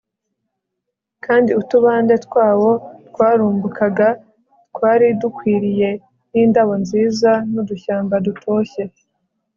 kandi utubande twawo twarumbukaga twari dutwikiriwe nindabo nziza nudushyamba dutoshye